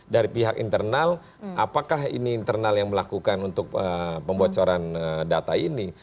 dari pihak internal apakah ini internal yang melakukan untuk pembocoran data ini